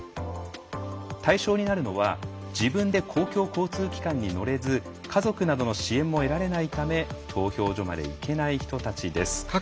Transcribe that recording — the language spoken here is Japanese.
対象になるのは自分で公共交通機関に乗れず家族などの支援も受けられないため投票所まで行けない人たちです。